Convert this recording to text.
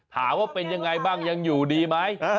ถามว่าเป็นยังไงบ้างยังอยู่ดีไหม